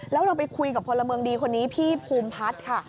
แล้วเราไปคุยกับพลเมืองดีคนนี้พี่ภูมิพัฒน์ค่ะ